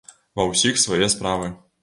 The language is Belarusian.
Ва ўсіх свае справы.